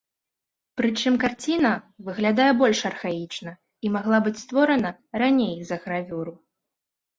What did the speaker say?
Прычым карціна выглядае больш архаічна і магла быць створана раней за гравюру.